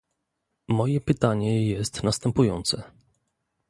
Moje pytanie jest następujące